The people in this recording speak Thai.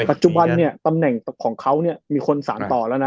ปัจจุบันเนี่ยตำแหน่งของเขาเนี่ยมีคนสารต่อแล้วนะ